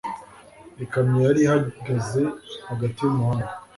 Ikamyo yari ihagaze hagati yumuhanda.